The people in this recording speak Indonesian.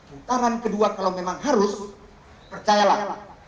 putaran kedua kalau memang harus percayalah